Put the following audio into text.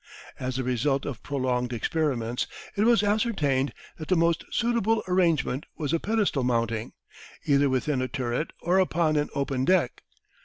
As the result of prolonged experiments it was ascertained that the most suitable arrangement was a pedestal mounting, either within a turret or upon an open deck.